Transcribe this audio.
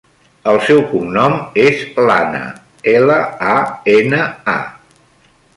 El seu cognom és Lana: ela, a, ena, a.